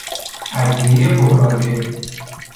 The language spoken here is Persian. ادویهی پر رایحه